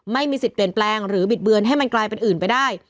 ไม่มีสิทธิ์เปลี่ยนแปลงหรือบิดเบือนให้มันกลายเป็นอื่นไปได้